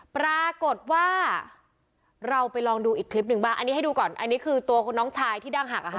ปรากฏว่าเราไปลองดูอีกคลิปหนึ่งบ้างอันนี้ให้ดูก่อนอันนี้คือตัวของน้องชายที่ดั้งหักอะค่ะ